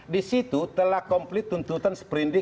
di situ telah komplit tuntutan seperindik dua ribu